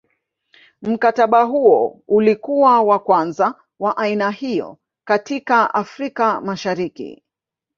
Mkataba huo ulikuwa wa kwanza wa aina hiyo katika Afrika Mashariki